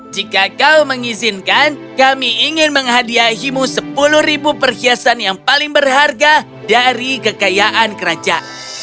jika kau mengizinkan kami ingin menghadiahimu sepuluh perhiasan yang paling berharga dari kekayaan kerajaan